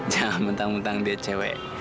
jangan mentang mentang dia cewek